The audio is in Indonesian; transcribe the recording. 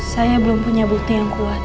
saya belum punya bukti yang kuat